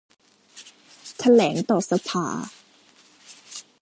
แถลงต่อรัฐสภา